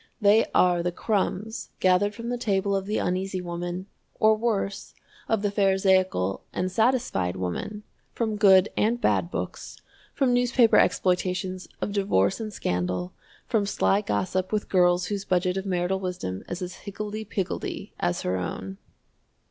They are the crumbs gathered from the table of the Uneasy Woman, or worse, of the pharisaical and satisfied woman, from good and bad books, from newspaper exploitations of divorce and scandal, from sly gossip with girls whose budget of marital wisdom is as higgledy piggledy as her own.